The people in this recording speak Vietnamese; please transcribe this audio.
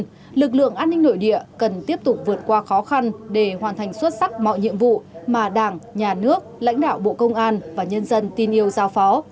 tuy nhiên lực lượng an ninh nội địa cần tiếp tục vượt qua khó khăn để hoàn thành xuất sắc mọi nhiệm vụ mà đảng nhà nước lãnh đạo bộ công an và nhân dân tin yêu giao phó